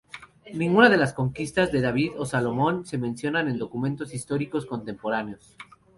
Ninguna de las conquistas de David o Salomón se mencionan en documentos históricos contemporáneos.